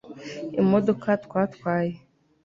imodoka twatwaye